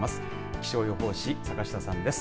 気象予報士、坂下さんです。